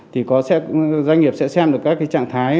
thì doanh nghiệp sẽ xem được các cái trạng thái